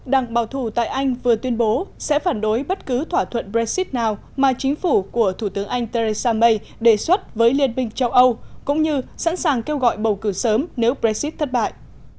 đảng bảo thủ tại anh vừa tuyên bố sẽ phản đối bất cứ thỏa thuận brexit nào mà chính phủ của thủ tướng anh theresa may đề xuất với liên minh châu âu cũng như sẵn sàng kêu gọi bầu cử sớm nếu brexit thất bại